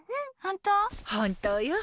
本当よ。